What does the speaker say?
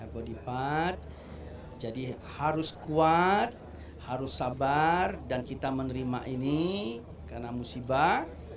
body part jadi harus kuat harus sabar dan kita menerima ini karena musibah